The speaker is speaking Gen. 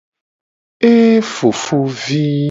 Ee fofovi.